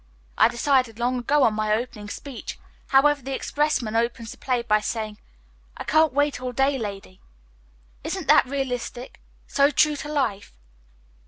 I decided long ago on my opening speech, however. The expressman opens the play by saying, 'I can't wait all day, lady.' Isn't that realistic? So true to life!"